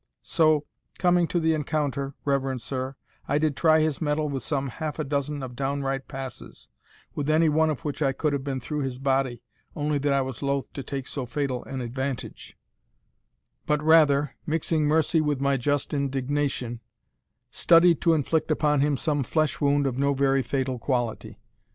So, coming to the encounter, reverend sir, I did try his mettle with some half a dozen of downright passes, with any one of which I could have been through his body, only that I was loth to take so fatal an advantage, but rather, mixing mercy with my just indignation, studied to inflict upon him some flesh wound of no very fatal quality.